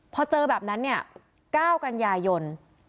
พอเจอแบบนั้นเนี่ย๙กันยายน